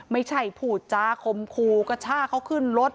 ไม่ใช่พูดจาคมคูกระชากเขาขึ้นรถ